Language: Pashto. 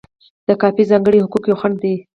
د کاپي ځانګړي حقوق یو خنډ دی.